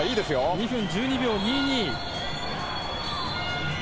２分１２秒２２。